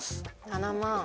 ７万。